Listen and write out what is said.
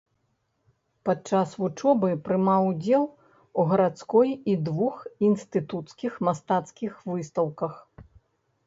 Падчас вучобы прымаў удзел у гарадской і двух інстытуцкіх мастацкіх выстаўках.